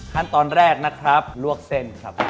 ขั้นตอนแรกนะครับลวกเส้นครับ